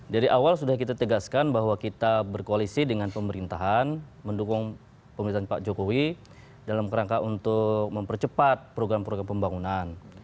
dari awal sudah kita tegaskan bahwa kita berkoalisi dengan pemerintahan mendukung pemerintahan pak jokowi dalam kerangka untuk mempercepat program program pembangunan